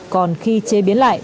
còn khi chế biến lại